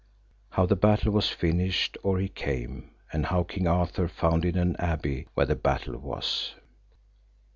How the battle was finished or he came, and how King Arthur founded an abbey where the battle was.